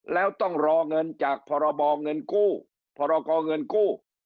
แล้วต้องรอเงินจากพรบเงินกู้